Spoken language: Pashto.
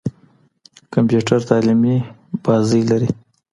کمپيوټر تعليمي بازۍ لري.